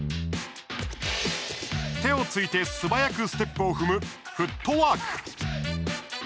手をついて素早くステップを踏むフットワーク。